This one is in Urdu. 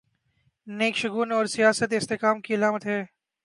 نیک شگون اور سیاسی استحکام کی علامت ہے۔